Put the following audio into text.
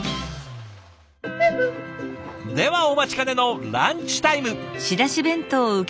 ではお待ちかねのランチタイム！